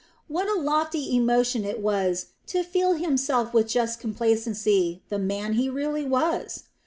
What a lofty emotion it was to feel himself with just complacency the man he really was!